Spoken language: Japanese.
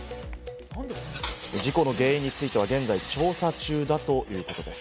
事故の原因については現在調査中だということです。